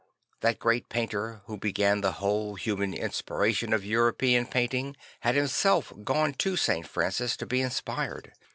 That great painter who began the whole human inspiration of Euro pean painting had himself gone to St. Francis to be inspired.